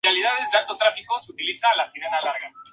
La ingesta, y la presencia de enfermedad o lesión.